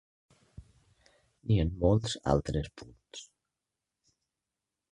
Ni en molts altres punts.